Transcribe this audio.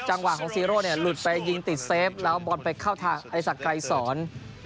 จังหวะของซีโร่เนี่ยหลุดไปยิงติดเซฟแล้วบอลไปเข้าทางไอศักดรายสอน